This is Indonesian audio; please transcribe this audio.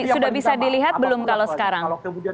sudah bisa dilihat belum kalau sekarang